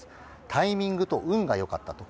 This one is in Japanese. タイミングと運が良かったと。